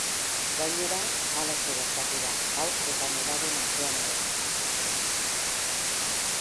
Gainera, halaxe gertatu da haur eta nerabeen artean ere.